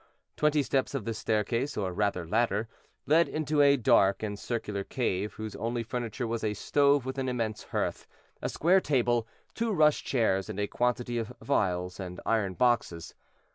Twenty steps of this staircase, or rather ladder, led into a dark and circular cave, whose only furniture was a stove with an immense hearth, a square table, two rush chairs, and a quantity of phials and iron boxes.